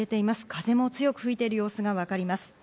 風も強く吹いている様子がわかります。